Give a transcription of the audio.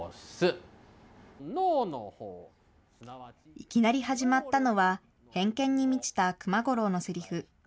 いきなり始まったのは、偏見に満ちた熊五郎のせりふ。